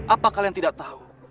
apa kalian tidak tahu